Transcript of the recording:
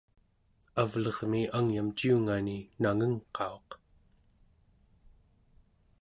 avlermi angyam ciungani nangengqauq